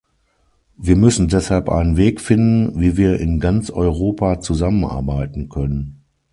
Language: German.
Wir müssen deshalb einen Weg finden, wie wir in ganz Europa zusammenarbeiten können.